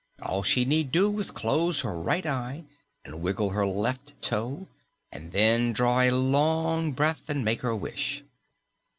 All she need do was close her right eye and wiggle her left toe and then draw a long breath and make her wish.